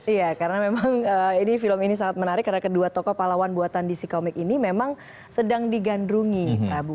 iya karena memang film ini sangat menarik karena kedua tokoh pahlawan buatan dc comic ini memang sedang digandrungi prabu